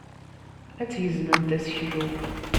Ad tgezmemt aseklu.